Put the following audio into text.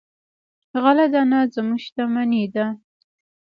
غله دانه زموږ شتمني ده.